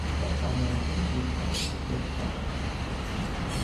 Dat zou mijns inziens echt een verkeerde stap zijn.